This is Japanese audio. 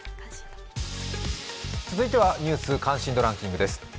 続いては「ニュース関心度ランキング」です。